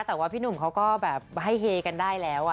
แต่ว่าพี่หนุ่มเขาก็แบบให้เฮกันได้แล้ว